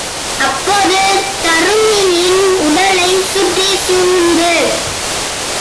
அப்போது தருமியின் உடலைச் சுற்றிச் சூழ்ந்து.